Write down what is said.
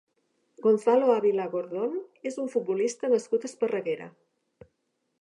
Gonzalo Ávila Gordón és un futbolista nascut a Esparreguera.